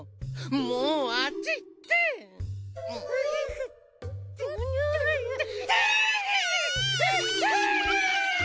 もうあっち行って！わ！